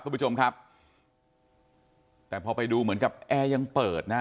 คุณผู้ชมครับแต่พอไปดูเหมือนกับแอร์ยังเปิดนะฮะ